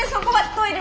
トイレ。